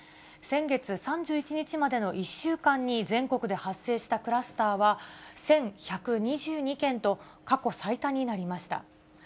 先月３１日までの１週間に全国で発生したクラスターは１１２２件と、過去最多になりました。